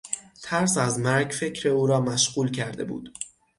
ترس از مرگ فکر او را مشغول کرده بود.